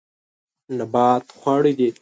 نبات خواړه دي.